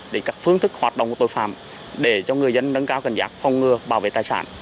đến các phương thức hoạt động của tội phạm để cho người dân nâng cao cần giác phong ngừa bảo vệ tài sản